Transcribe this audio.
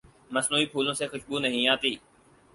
مصنوعی پھولوں سے خوشبو نہیں آتی۔